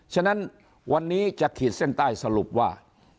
ฉะนั้นวันนี้จะขีดเส้นใต้สรุปว่า